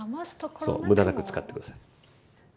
そう無駄なく使って下さい。